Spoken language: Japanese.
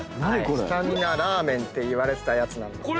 スタミナラーメンって言われてたやつなんですね。